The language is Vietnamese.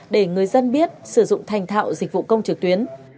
để người dân biết sử dụng thành thạo dịch vụ công trực tuyến